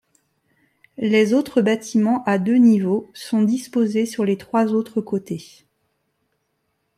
Les autres bâtiments à deux niveaux sont disposés sur les trois autres côtés.